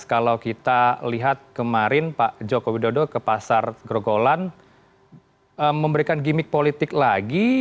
kalau kita lihat kemarin pak joko widodo ke pasar grogolan memberikan gimmick politik lagi